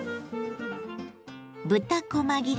豚こま切れ